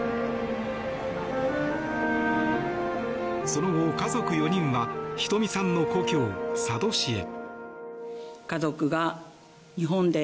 その後、家族４人はひとみさんの故郷・佐渡市へ。